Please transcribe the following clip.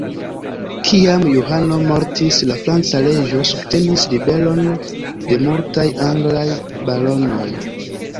Kiam Johano mortis, la franca reĝo subtenis ribelon de multaj anglaj baronoj.